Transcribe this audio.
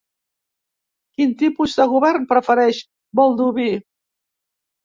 Quin tipus de govern prefereix Baldoví?